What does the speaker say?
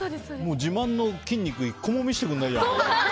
自慢の筋肉１個も見せてくれないじゃん。